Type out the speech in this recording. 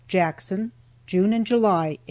JACKSON. JUNE AND JULY, 1862.